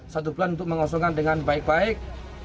satu bulan untuk mengosongkan dengan baik baik